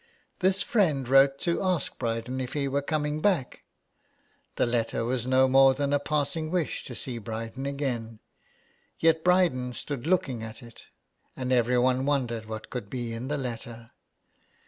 This friend wrote to ask Bryden if he were coming back. The letter was no more than a passing wish to see Bryden again. Yet Bryden stood looking at it, and everyone won dered what could be in the letter.